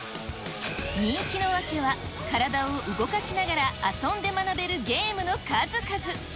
人気の訳は、体を動かしながら、遊んで学べるゲームの数々。